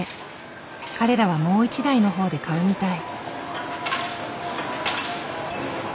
彼らはもう一台のほうで買うみたい。